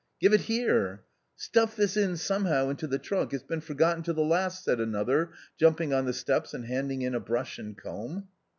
" Give it here !"" Stuff this in somehow into the trunk, it's been forgotten to the last," said another, jumping on the steps and handing in a brush and comb.